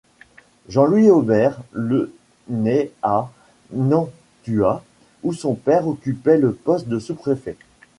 Jean-Louis Aubert le naît à Nantua où son père occupait le poste de sous-préfet.